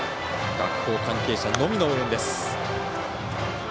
学校関係者のみの応援です。